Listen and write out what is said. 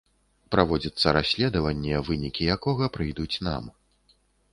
Праводзіцца расследаванне, вынікі якога прыйдуць нам.